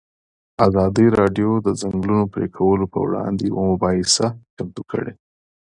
ازادي راډیو د د ځنګلونو پرېکول پر وړاندې یوه مباحثه چمتو کړې.